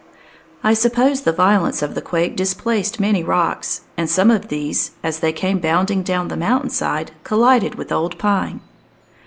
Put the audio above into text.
I suppose the violence of the quake displaced many rocks, and some of these, as they came bounding down the mountain side, collided with Old Pine.